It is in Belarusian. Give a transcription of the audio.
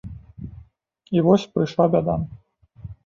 І вось прыйшла бяда.